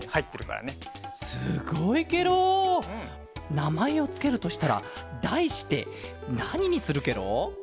なまえをつけるとしたらだいしてなににするケロ？